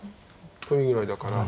トビぐらいだから。